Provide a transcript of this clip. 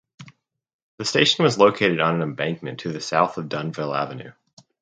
The station was located on an embankment to the south of Dunville Avenue.